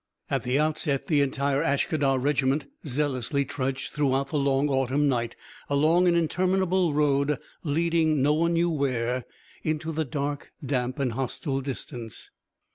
At the outset, the entire Ashkadar regiment zealously trudged throughout the long autumn night along an interminable road, leading no one knew where, into the dark, damp, and hostile distance.